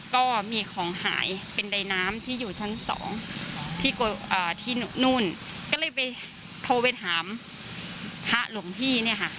ก็มีของหายเป็นใดน้ำที่อยู่ชั้นสองที่นู่นก็เลยไปโทรไปถามพระหลวงพี่เนี่ยค่ะ